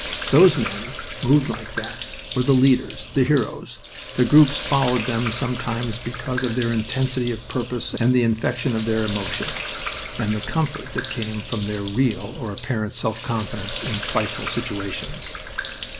Those men, moved like that, were the leaders, the heroes, and groups followed them sometimes because of their intensity of purpose and the infection of their emotion, and the comfort that came from their real or apparent self confidence in frightful situations.